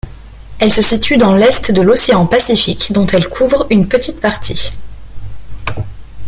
Elle se situe dans l'est de l'océan Pacifique dont elle couvre une petite partie.